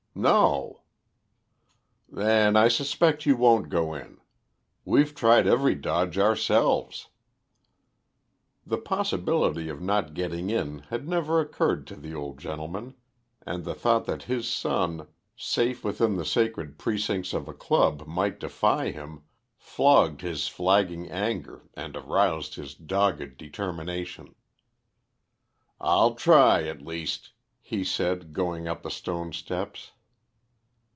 "No." "Then I suspect you won't go in. We've tried every dodge ourselves." The possibility of not getting in had never occurred to the old gentleman, and the thought that his son, safe within the sacred precincts of a club, might defy him, flogged his flagging anger and aroused his dogged determination. "I'll try, at least," he said, going up the stone steps.